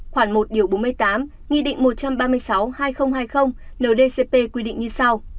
khoảng một bốn mươi tám nghị định một trăm ba mươi sáu hai nghìn hai mươi ndcp quy định như sau